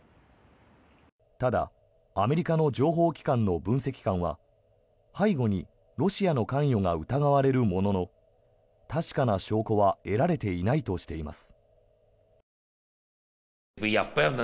ただ、アメリカの情報機関の分析官は背後にロシアの関与が疑われるものの確かな証拠は得られていないとしています。